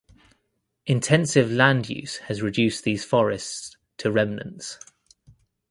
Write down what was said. Intensive land use has reduced these forests to remnants.